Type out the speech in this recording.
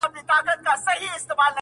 چي همدې نوي توليد سوي ارزښت ته